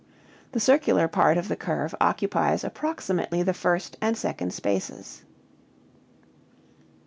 The circular part of the curve occupies approximately the first and second spaces.